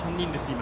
今。